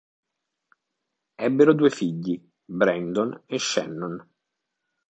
Ebbero due figli: Brandon e Shannon.